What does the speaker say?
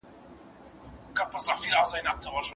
چې مې د زړه په دروازې راته راوبهيدې